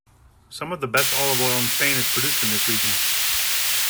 Some of the best olive oil in Spain is produced in this region.